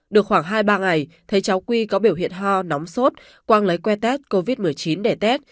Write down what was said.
được khoảng hai ba ngày thấy cháu quy có biểu hiện ho nóng sốt quang lấy que test covid một mươi chín để tết